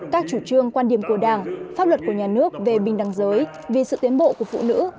các chủ trương quan điểm của đảng pháp luật của nhà nước về bình đẳng giới vì sự tiến bộ của phụ nữ